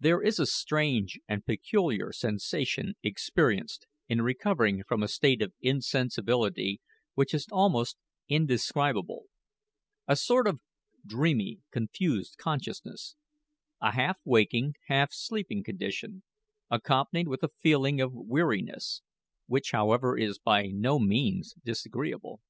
There is a strange and peculiar sensation experienced in recovering from a state of insensibility which is almost indescribable: a sort of dreamy, confused consciousness; a half waking, half sleeping condition, accompanied with a feeling of weariness, which, however, is by no means disagreeable.